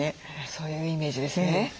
そういうイメージですね。